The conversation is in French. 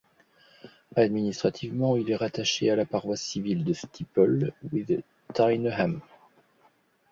Administrativement, il est rattaché à la paroisse civile de Steeple with Tyneham.